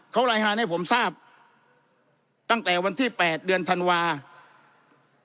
เขาไลฮารให้ผมทราบตั้งแต่วันที่แปดเดือนธันวาธ์